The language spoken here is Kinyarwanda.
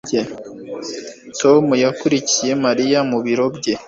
Tom yakurikiye Mariya mu biro bye